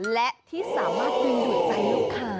และที่สามารถดึงดูดใจลูกค้า